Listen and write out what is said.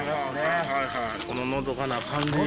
こののどかな感じ。